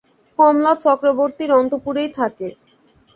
কমলা চক্রবর্তীর অন্তঃপুরেই থাকে।